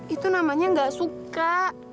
itu namanya gak suka